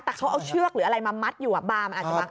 แต่เขาเอาเชือกหรืออะไรมามัดอยู่บาร์มันอาจจะบาง